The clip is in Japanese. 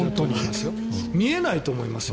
見えないと思いますよ。